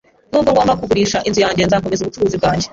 Nubwo ngomba kugurisha inzu yanjye, nzakomeza ubucuruzi bwanjye.